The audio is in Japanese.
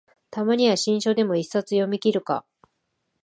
たまには新書でも一冊読みきるか